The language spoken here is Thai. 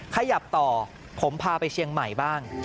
ขยับต่อผมพาไปเชียงใหม่บ้าง